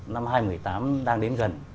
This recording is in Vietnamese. năm hai nghìn một mươi tám đang đến gần